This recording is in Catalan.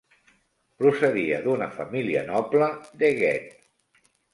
Procedia d'una família noble d'Èguet.